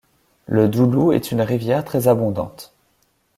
Le Doulou est une rivière très abondante.